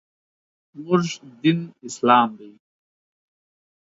موږ دین اسلام دی .